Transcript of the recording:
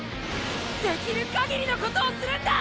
できる限りのことをするんだ！